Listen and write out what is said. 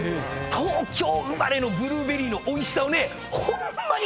東京生まれのブルーベリーのおいしさをねホンマ